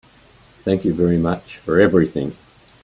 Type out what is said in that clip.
Thank you very much for everything.